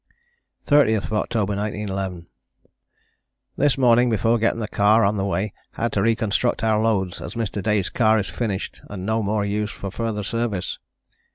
"30th October 1911. "This morning before getting the car on the way had to reconstruct our loads as Mr. Day's car is finished and no more use for further service.